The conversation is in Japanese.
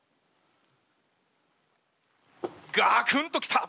ガクンと来た！